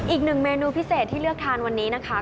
อีกหนึ่งเมนูพิเศษที่เลือกทานวันนี้นะคะ